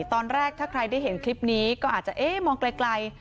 ตอนแรกถ้าใครได้เห็นคลิปนี้ก็อาจจะเอ๊ะมองไกล